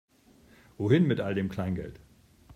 Wohin mit all dem Kleingeld?